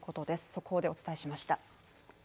速報でお伝えしました。